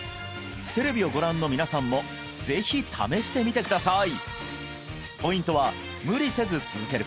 テレビをご覧の皆さんもぜひ試してみてください